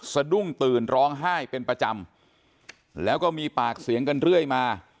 สะดุ้งตื่นร้องไห้เป็นประจำแล้วก็มีปากเสียงกันเรื่อยมา